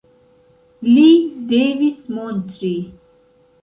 Li devis montri.